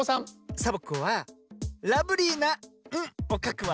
サボ子はラブリーな「ん」をかくわ。